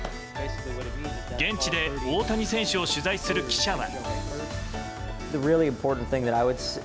現地で大谷選手を取材する記者は。